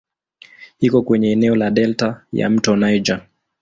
Iko kwenye eneo la delta ya "mto Niger".